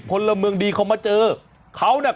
พลเมืองดีเขามาเจอเขาน่ะ